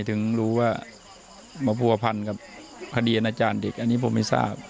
ถึงรู้ว่าหมอภูพันธ์กับพระเดียนอาจารย์เด็กอันนี้ผมไม่ทราบ